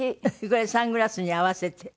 これサングラスに合わせて。